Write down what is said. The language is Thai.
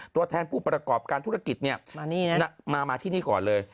ตัวแทนผู้ประกอบการธุรกิจเนี่ยมาที่นี่ก่อนเลย